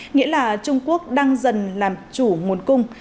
nghĩa là trung quốc đang dần làm chủ nguồn cung